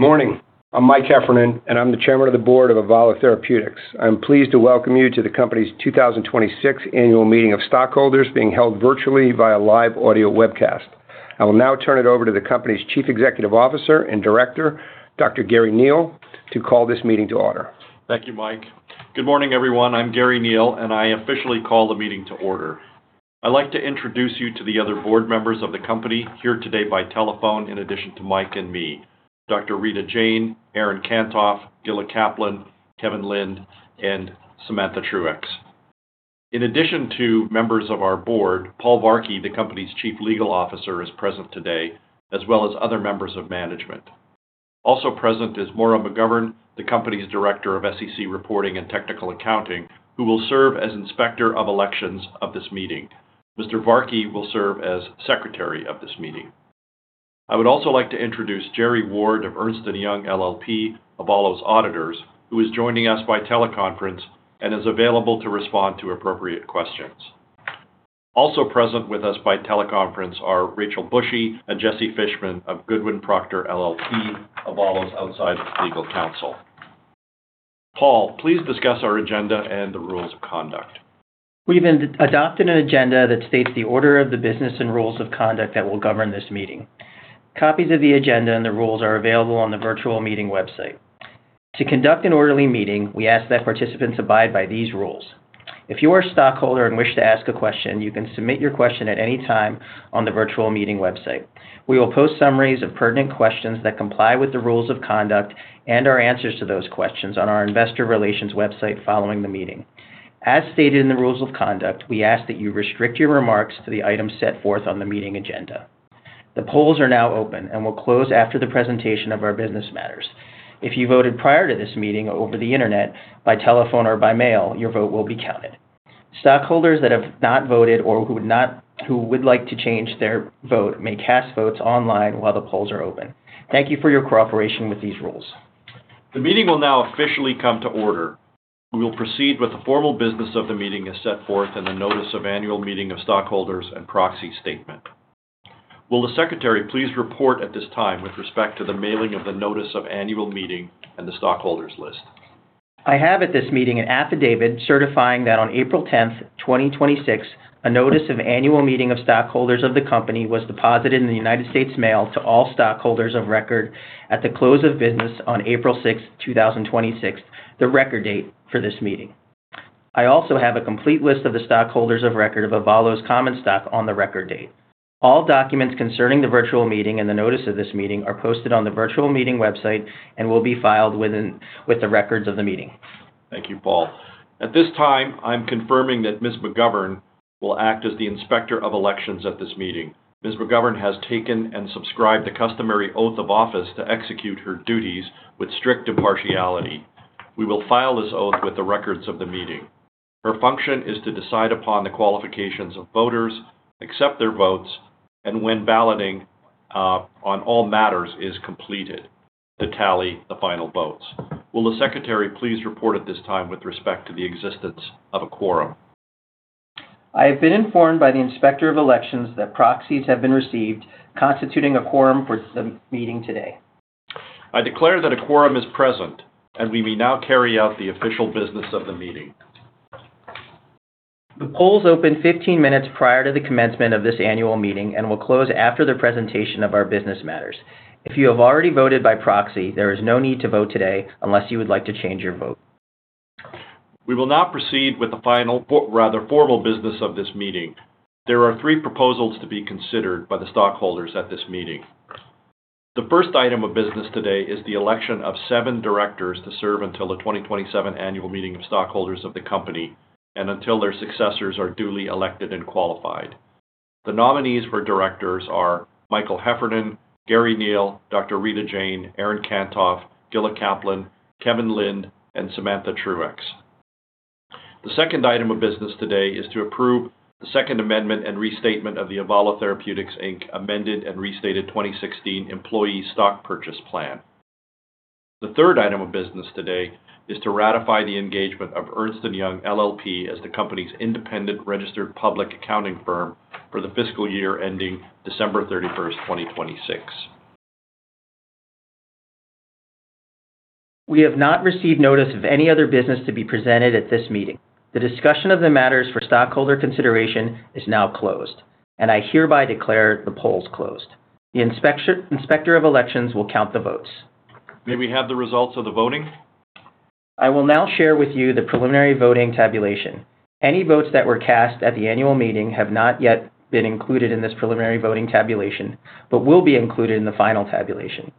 Good morning. I'm Mike Heffernan, and I'm the Chairman of the Board of Avalo Therapeutics. I'm pleased to welcome you to the company's 2026 annual meeting of stockholders being held virtually via live audio webcast. I will now turn it over to the company's Chief Executive Officer and Director, Dr. Garry Neil, to call this meeting to order. Thank you, Mike. Good morning, everyone. I'm Garry Neil, and I officially call the meeting to order. I'd like to introduce you to the other board members of the company here today by telephone, in addition to Mike and me, Dr. Rita Jain, Aaron Kantoff, Gilla Kaplan, Kevin Lind, and Samantha Truex. In addition to members of our board, Paul Varki, the company's Chief Legal Officer, is present today, as well as other members of management. Also present is Maura McGovern, the company's Director of SEC Reporting and Technical Accounting, who will serve as Inspector of Elections of this meeting. Mr. Varki will serve as Secretary of this meeting. I would also like to introduce Jerry Ward of Ernst & Young LLP, Avalo's auditors, who is joining us by teleconference and is available to respond to appropriate questions. Also present with us by teleconference are Rachael Bushey and Jesse Fishman of Goodwin Procter LLP, Avalo's outside legal counsel. Paul, please discuss our agenda and the rules of conduct. We've adopted an agenda that states the order of the business and rules of conduct that will govern this meeting. Copies of the agenda and the rules are available on the virtual meeting website. To conduct an orderly meeting, we ask that participants abide by these rules. If you are a stockholder and wish to ask a question, you can submit your question at any time on the virtual meeting website. We will post summaries of pertinent questions that comply with the rules of conduct and our answers to those questions on our investor relations website following the meeting. As stated in the rules of conduct, we ask that you restrict your remarks to the items set forth on the meeting agenda. The polls are now open and will close after the presentation of our business matters. If you voted prior to this meeting over the internet, by telephone, or by mail, your vote will be counted. Stockholders that have not voted or who would like to change their vote may cast votes online while the polls are open. Thank you for your cooperation with these rules. The meeting will now officially come to order. We will proceed with the formal business of the meeting as set forth in the Notice of Annual Meeting of Stockholders and Proxy Statement. Will the secretary please report at this time with respect to the mailing of the notice of annual meeting and the stockholders list? I have at this meeting an affidavit certifying that on April 10th, 2026, a notice of annual meeting of stockholders of the company was deposited in the United States Mail to all stockholders of record at the close of business on April 6th, 2026, the record date for this meeting. I also have a complete list of the stockholders of record of Avalo's common stock on the record date. All documents concerning the virtual meeting and the notice of this meeting are posted on the virtual meeting website and will be filed with the records of the meeting. Thank you, Paul. At this time, I'm confirming that Ms. McGovern will act as the inspector of elections at this meeting. Ms. McGovern has taken and subscribed the customary oath of office to execute her duties with strict impartiality. We will file this oath with the records of the meeting. Her function is to decide upon the qualifications of voters, accept their votes, and when balloting on all matters is completed, to tally the final votes. Will the secretary please report at this time with respect to the existence of a quorum? I have been informed by the inspector of elections that proxies have been received constituting a quorum for the meeting today. I declare that a quorum is present, and we may now carry out the official business of the meeting. The polls opened 15 minutes prior to the commencement of this annual meeting and will close after the presentation of our business matters. If you have already voted by proxy, there is no need to vote today unless you would like to change your vote. We will now proceed with the final, rather formal business of this meeting. There are three proposals to be considered by the stockholders at this meeting. The first item of business today is the election of seven directors to serve until the 2027 annual meeting of stockholders of the company and until their successors are duly elected and qualified. The nominees for directors are Michael Heffernan, Garry Neil, Dr. Rita Jain, Aaron Kantoff, Gilla Kaplan, Kevin Lind, and Samantha Truex. The second item of business today is to approve the second amendment and restatement of the Avalo Therapeutics, Inc. amended and restated 2016 Employee Stock Purchase Plan. The third item of business today is to ratify the engagement of Ernst & Young LLP as the company's independent registered public accounting firm for the fiscal year ending December 31st, 2026. We have not received notice of any other business to be presented at this meeting. The discussion of the matters for stockholder consideration is now closed, and I hereby declare the polls closed. The inspector of elections will count the votes. May we have the results of the voting? I will now share with you the preliminary voting tabulation. Any votes that were cast at the annual meeting have not yet been included in this preliminary voting tabulation but will be included in the final tabulation.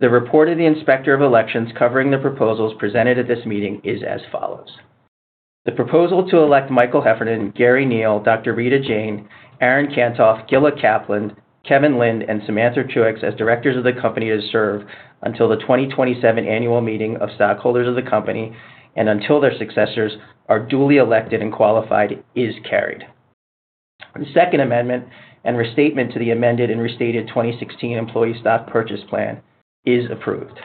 The report of the inspector of elections covering the proposals presented at this meeting is as follows. The proposal to elect Michael Heffernan, Garry Neil, Rita Jain, Aaron Kantoff, Gilla Kaplan, Kevin Lind, and Samantha Truex as directors of the company to serve until the 2027 annual meeting of stockholders of the company and until their successors are duly elected and qualified is carried. The second amendment and restatement to the amended and restated 2016 Employee Stock Purchase Plan is approved.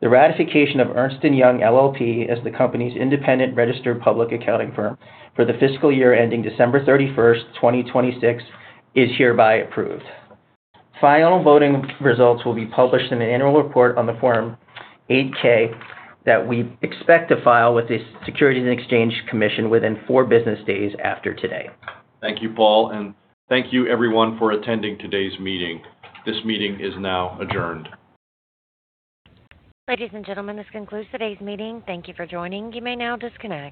The ratification of Ernst & Young LLP as the company's independent registered public accounting firm for the fiscal year ending December 31st, 2026, is hereby approved. Final voting results will be published in an annual report on the Form 8-K that we expect to file with the Securities and Exchange Commission within four business days after today. Thank you, Paul, and thank you everyone for attending today's meeting. This meeting is now adjourned. Ladies and gentlemen, this concludes today's meeting. Thank you for joining. You may now disconnect.